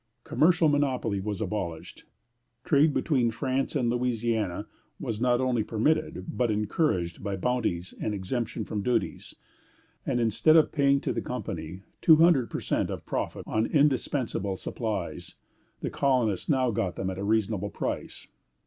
Commercial monopoly was abolished. Trade between France and Louisiana was not only permitted, but encouraged by bounties and exemption from duties; and instead of paying to the Company two hundred per cent of profit on indispensable supplies, the colonists now got them at a reasonable price.